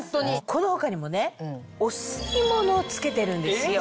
この他にもねお吸い物を付けてるんですよ。